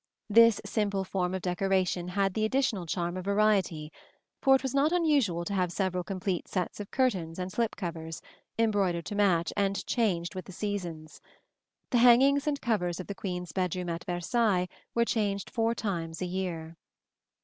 This simple form of decoration had the additional charm of variety; for it was not unusual to have several complete sets of curtains and slip covers, embroidered to match, and changed with the seasons. The hangings and covers of the queen's bedroom at Versailles were changed four times a year.